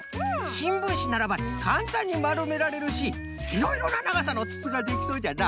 しんぶんしならばかんたんにまるめられるしいろいろなながさのつつができそうじゃな。